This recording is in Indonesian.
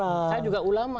saya juga ulama